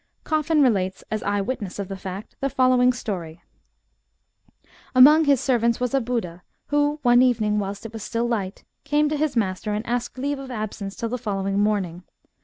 Coffin relates, as eye witness of the fact, the following story :— Among his servants was a Buda, who, one evening, whilst it was still light, came to his master and asked leave of absence till the following morning.